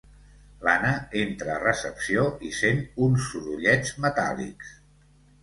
L'Anna entra a recepció i sent uns sorollets metàl·lics.